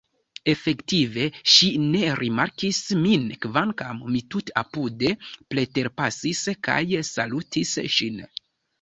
Efektive ŝi ne rimarkis min, kvankam mi tute apude preterpasis kaj salutis ŝin.